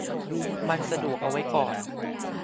มันสะดวกเอาไว้ก่อน